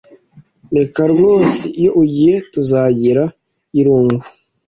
Reka rwose iyo ugiye ntuzagira irunguuu